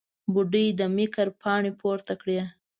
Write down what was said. بوډۍ د مکر پاڼې پورته کړې.